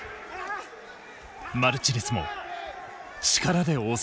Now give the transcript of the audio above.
マルチネスも力で応戦。